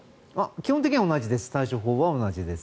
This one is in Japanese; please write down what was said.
基本的には対処法は同じです。